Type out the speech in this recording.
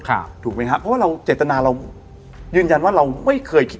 ถูกไหมครับเพราะว่าเราเจตนาเรายืนยันว่าเราไม่เคยคิด